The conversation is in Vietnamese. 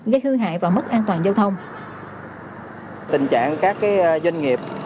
gây hư hại và mất an toàn giao thông